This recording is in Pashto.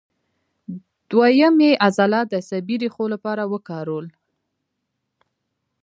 دوهیم یې عضلات د عصبي ریښو لپاره وکارول.